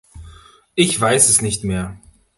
Ich weiß es nicht mehr.